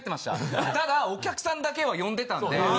ただお客さんだけは呼んでたんで。